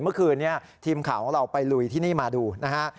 เมื่อคืนนี้ทีมข่าวของเราไปลุยที่นี่มาดูนะฮะ